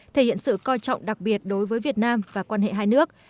thể hiện sự coi trọng đặc biệt đối với việt nam và quan hệ hai nước